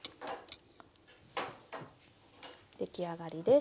出来上がりです。